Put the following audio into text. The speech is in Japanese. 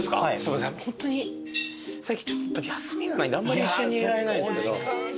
ホントに最近休みがないんであんまり一緒にいられないんですけど。